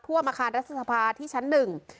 พร่วมอาคารรัฐศาสตร์ภาคที่ชั้นหนึ่ง